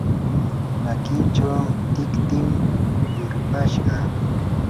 makinchaw tiktim yuripashqa.